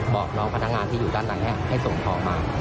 บอกน้องพนักงานที่อยู่ด้านหลังให้ส่งของมา